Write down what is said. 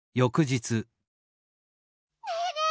ねえねえ